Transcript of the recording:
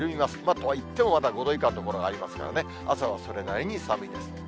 といってもまだ５度以下の所がありますからね、朝はそれなりに寒いです。